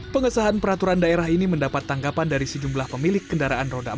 pengesahan peraturan daerah ini mendapat tanggapan dari sejumlah pemilik kendaraan roda empat